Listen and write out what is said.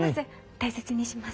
大切にします。